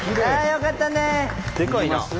よかったね！